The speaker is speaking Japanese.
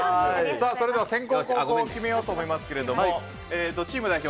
それでは先攻・後攻を決めようと思いますがチーム代表